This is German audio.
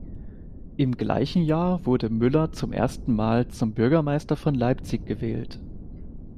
Im gleichen Jahr wurde Müller zum ersten Mal zum Bürgermeister von Leipzig gewählt.